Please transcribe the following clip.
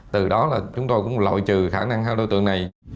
từ đó là chúng tôi cũng lội trừ khả năng hai đối tượng này